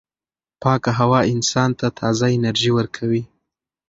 پاکه هوا انسان ته تازه انرژي ورکوي.